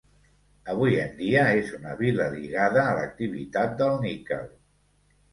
Avui en dia, és una vila lligada a l'activitat del níquel.